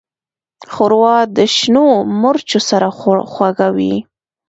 ښوروا د شنو مرچو سره خوږه وي.